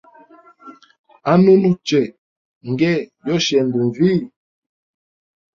Anunu che ,nge yoshenda nvii?